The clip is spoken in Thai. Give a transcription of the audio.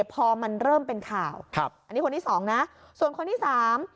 พอมันเริ่มเป็นข่าวครับอันนี้คนที่สองนะส่วนคนที่สาม